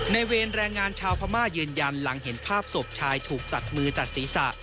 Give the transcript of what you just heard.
เวรแรงงานชาวพม่ายืนยันหลังเห็นภาพศพชายถูกตัดมือตัดศีรษะ